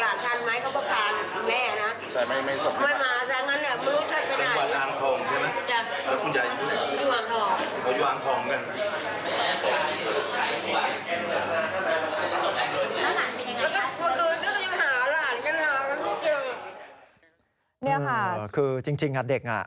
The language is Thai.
แล้วก็ญาติที่อยู่บ้านติดกันที่อ่างทองก็เล่าให้ฟังเหมือนกันนะ